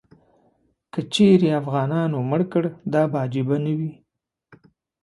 که چیرې افغانانو مړ کړ، دا به عجیبه نه وي.